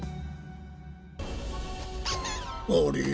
あれ？